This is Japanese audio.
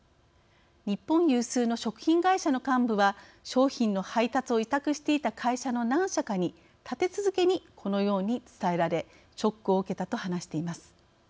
日本有数の食品会社の幹部は商品の配達を委託していた会社の何社かに、立て続けにこのように伝えられショックを受けたと話しています。